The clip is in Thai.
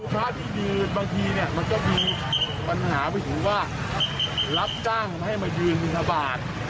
บางทีมันก็มีปัญหาวิธีว่ารับจ้างให้มายืนบินทบาท